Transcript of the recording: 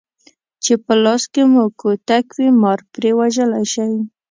چې په لاس کې مو کوتک وي مار پرې وژلی شئ.